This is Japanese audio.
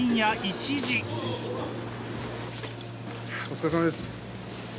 お疲れさまです。